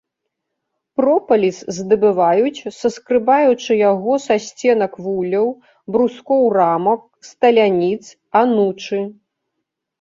Пропаліс здабываюць, саскрабаючы яго са сценак вулляў, брускоў рамак, сталяніц, анучы.